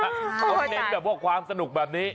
เขาเน้นแบบว่าความสนุกแบบนี้